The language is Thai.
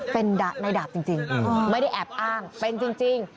เป็นในดาบจริงไม่ได้แอบอ้างเป็นจริง